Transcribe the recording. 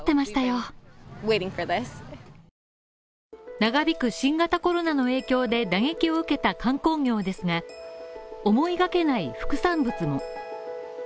長引く新型コロナの影響で打撃を受けた観光業ですが、思いがけない副産物も。